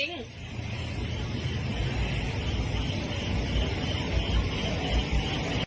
มีคนอยู่ไหมครับ